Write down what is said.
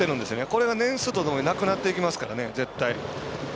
これは年数とともになくなっていきますから、絶対。